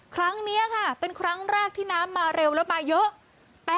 ครั้งนี้ค่ะเป็นครั้งแรกที่น้ำมาเร็วแล้วมาเยอะ